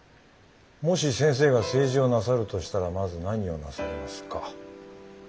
「もし先生が政治をなさるとしたらまず何をなさいますか？」。